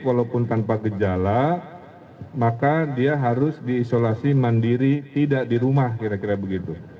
walaupun tanpa gejala maka dia harus diisolasi mandiri tidak di rumah kira kira begitu